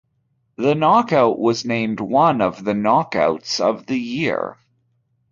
The knockout was named one of the knockouts of the year.